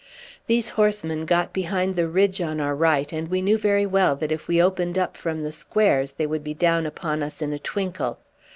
These horsemen got behind the ridge on our right again, and we knew very well that if we opened up from the squares they would be down upon us in a twinkle.